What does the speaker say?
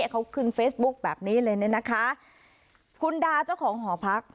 เขาขึ้นเฟซบุ๊คแบบนี้เลยเนี่ยนะคะคุณดาเจ้าของหอพัก